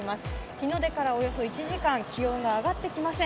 日の出からおよそ１時間、気温が上がってきません。